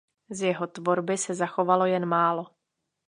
Z jeho tvorby se zachovalo jen málo.